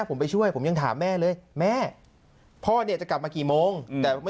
ผมไปช่วยผมยังถามแม่เลยแม่พ่อเนี่ยจะกลับมากี่โมงแต่ไม่